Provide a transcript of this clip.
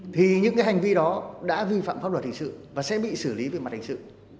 thì những cái hành vi đó đã vi phạm pháp luật hình sự và sẽ bị xử lý về mặt hình sự